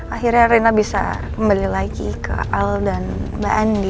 akhirnya rina bisa kembali lagi ke al dan mbak andi